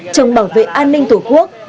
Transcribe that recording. trong bảo vệ an ninh tổ quốc